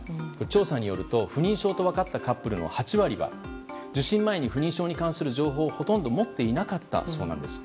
調査によると不妊症と分かったカップルの８割が受診前に不妊症に関する情報をほとんど持っていなかったそうです。